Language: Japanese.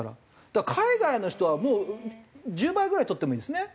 だから海外の人はもう１０倍ぐらい取ってもいいですね。